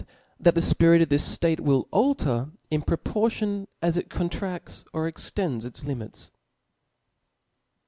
t ,the fpirit of this ftate will alter in proporiion as it tCOncradts or extends its limits.